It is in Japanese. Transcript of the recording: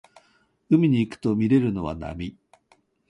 海に行くとみれるのは波